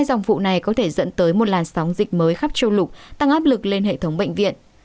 dòng vụ này có thể dẫn tới một làn sóng dịch mới khắp châu lục tăng áp lực lên hệ thống bệnh viện